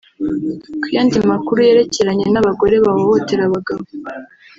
Ku yandi makuru yerekeranye n’abagore bahohotera abagabo